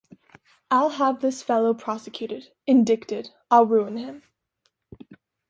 I’ll have this fellow prosecuted — indicted — I’ll ruin him.